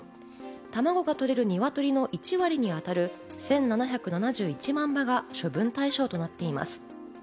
たまごが取れる鶏の１割に当たる１７７１万羽が処分対象となっています。